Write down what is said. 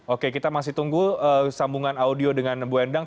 oke kita masih tunggu sambungan audio dengan bu endang